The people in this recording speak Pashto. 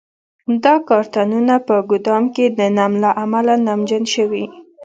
دا کارتنونه په ګدام کې د نم له امله نمجن شوي.